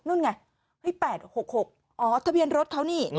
นั่นไง๘๖๖อ๋อทะเบียนรถเขานี่